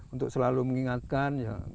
untuk selalu mengingatkan